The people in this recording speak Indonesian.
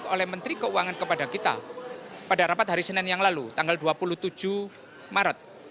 oleh menteri keuangan kepada kita pada rapat hari senin yang lalu tanggal dua puluh tujuh maret